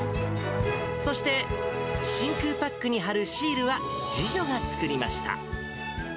そして、真空パックに貼るシールは、次女が作りました。